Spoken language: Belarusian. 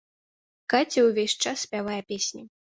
Каця ўвесь час спявае песні.